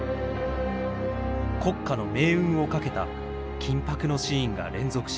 国家の命運を懸けた緊迫のシーンが連続します。